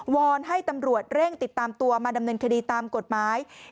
อนให้ตำรวจเร่งติดตามตัวมาดำเนินคดีตามกฎหมาย